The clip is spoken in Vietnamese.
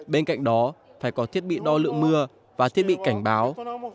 bên cạnh đó phải có thiết bị đo lượng mưa và thiết bị cảnh báo